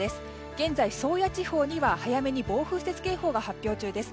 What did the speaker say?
現在、宗谷地方には早めに暴風雪警報が発表中です。